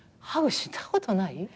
ハグしたことない？